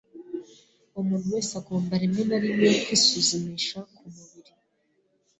Umuntu wese agomba rimwe na rimwe kwisuzumisha kumubiri.